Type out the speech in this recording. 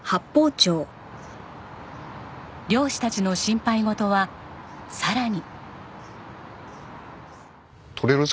漁師たちの心配事はさらに。